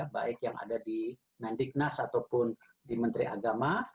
baik yang ada di mendiknas ataupun di menteri agama